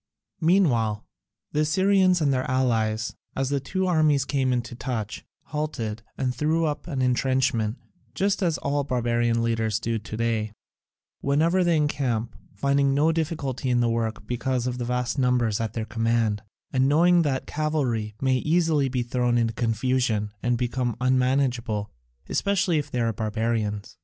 Meanwhile the Assyrians and their allies, as the two armies came into touch, halted, and threw up an entrenchment, just as all barbarian leaders do to day, whenever they encamp, finding no difficulty in the work because of the vast numbers at their command, and knowing that cavalry may easily be thrown into confusion and become unmanageable, especially if they are barbarians.